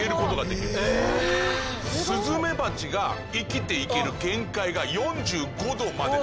スズメバチが生きていける限界が４５℃まで。